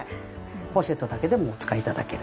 ポシェットだけでもお使い頂けると。